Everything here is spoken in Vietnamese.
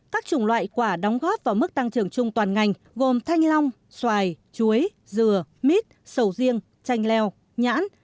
các chủng loại quả đóng góp vào mức tăng trưởng chung toàn ngành gồm thanh long xoài chuối dừa mít sầu riêng chanh leo nhãn